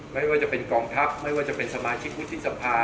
ไม่ว่าจะเป็นกองทัพไม่ว่าจะเป็นสมาชิกวุฒิสภา